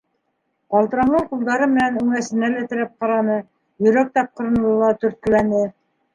Ҡалтыранған ҡулдары менән үңәсенә лә терәп ҡараны, йөрәк тапҡырына ла төрткөләне.